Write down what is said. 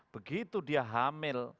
begitu dia hamil